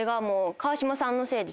川島さんのせいで？